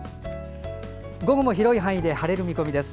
午後も広い範囲で晴れる見込みです。